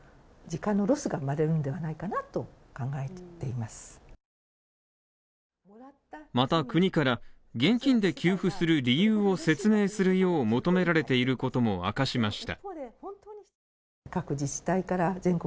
また国から現金で給付する理由を説明するよう求められていることも明かしました